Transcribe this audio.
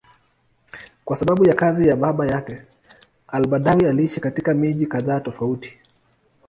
Kwa sababu ya kazi ya baba yake, al-Badawi aliishi katika miji kadhaa tofauti.